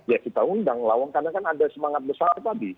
ya kita undang lawan karena kan ada semangat besar tadi